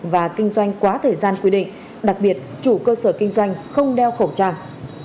và kinh doanh quá thời gian quy định đặc biệt chủ cơ sở kinh doanh không đeo khẩu trang